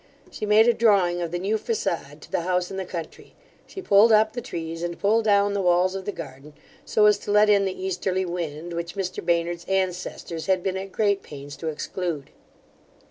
She made a drawing of the new facade to the house in the country; she pulled up the trees, and pulled down the walls of the garden, so as to let in the easterly wind, which Mr Baynard's ancestors had been at great pains to exclude.